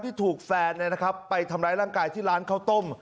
ที่ถูกแฟนไปทำร้ายร่างกายที่ร้านข้าวต้ม